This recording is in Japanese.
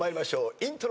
イントロ。